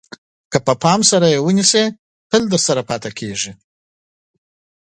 که په پام سره یې ونیسئ د تل لپاره درسره پاتې کېږي.